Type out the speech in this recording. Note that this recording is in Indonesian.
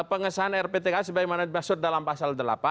pengesahan rptk sebagaimana dimaksud dalam pasal delapan